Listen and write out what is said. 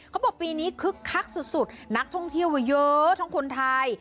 เขาบอกปีนี้คึกคักสุดนักท่องเที่ยวมาเยอะทั้งคนไทย